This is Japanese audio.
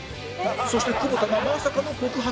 そして久保田がまさかの告白！